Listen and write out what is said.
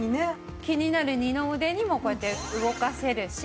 気になる二の腕にもこうやって動かせるし。